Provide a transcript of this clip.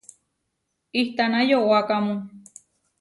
¿Itána yowákamu?